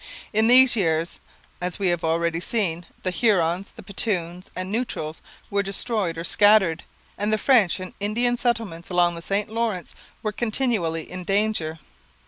In these years, as we have already seen, the Hurons, Petuns, and Neutrals were destroyed or scattered, and the French and Indian settlements along the St Lawrence were continually in danger.